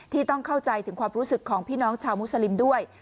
ต้องเข้าใจถึงความรู้สึกของพี่น้องชาวมุสลิมด้วย